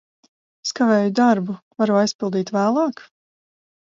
Es kavēju darbu. Varu aizpildīt vēlāk?